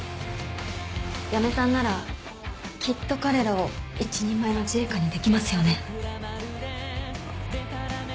八女さんならきっと彼らを一人前の自衛官にできますよね？